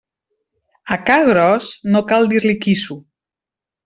A ca gros no cal dir-li quisso.